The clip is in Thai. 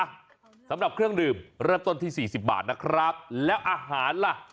สำหรับเครื่องดื่มเริ่มต้นที่สี่สิบบาทนะครับแล้วอาหารล่ะ